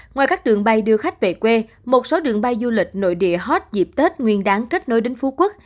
ngoài các đường bay đưa khách về quê một số đường bay du lịch nội địa hết dịp tết nguyên đáng kết nối đến phú quốc